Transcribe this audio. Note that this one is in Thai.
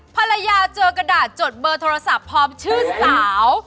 ภรรยาเจอกระดาษจดเบอร์โทรศัพท์พร้อมชื่อสาว